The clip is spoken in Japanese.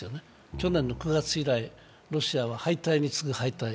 去年の９月以来、ロシアは敗退に次ぐ敗退。